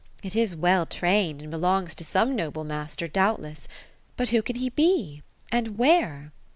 It is well trained, and belongs to some noblo master, doubtless. But who can he be ? And where